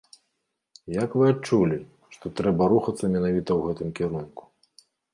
Як вы адчулі, што трэба рухацца менавіта ў гэтым кірунку?